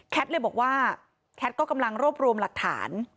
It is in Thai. เลยบอกว่าแคทก็กำลังรวบรวมหลักฐาน